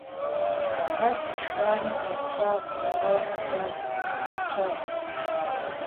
Хэт ишхами къэтщӏакъым, ауэ хьэлэл хуэтщӏат.